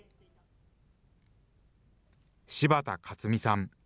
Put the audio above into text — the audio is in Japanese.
柴田勝見さん。